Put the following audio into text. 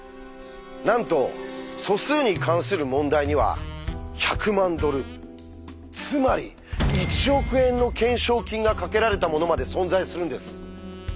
なんと素数に関する問題には１００万ドルつまり１億円の懸賞金がかけられたものまで存在するんです。